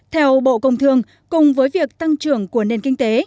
theo bộ công thương cùng với việc tăng trưởng của nền kinh tế